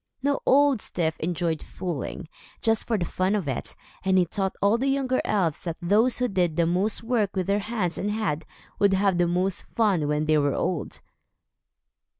Now Old Styf enjoyed fooling, just for the fun of it, and he taught all the younger elves that those who did the most work with their hands and head, would have the most fun when they were old.